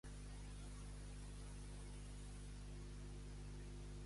Premeu efa, erra, e, ena, a, erra.